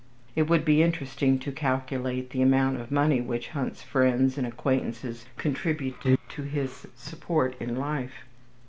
It would be interesting to calculate the amount of money which Hunt's friends and acquaintances contributed to his support in life.